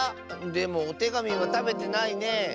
でもおてがみはたべてないね。